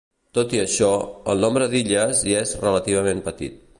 Tot i això, el nombre d'illes hi és relativament petit.